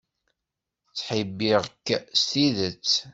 Ttḥibbiɣ-k s tidet.